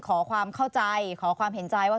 ขอความเข้าใจขอความเห็นใจว่า